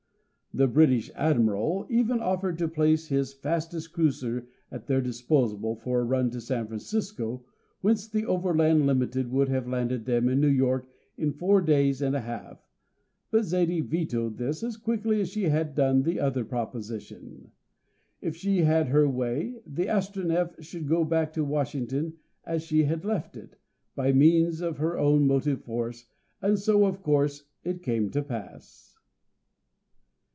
The British Admiral even offered to place his fastest cruiser at their disposal for a run to San Francisco, whence the Overland Limited would have landed them in New York in four days and a half, but Zaidie vetoed this as quickly as she had done the other proposition. If she had her way the Astronef should go back to Washington as she had left it, by means of her own motive force, and so, of course, it came to pass.